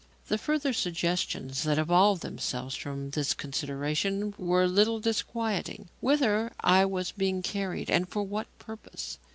The further suggestions that evolved themselves from this consideration were a little disquieting. Whither was I being carried and for what purpose?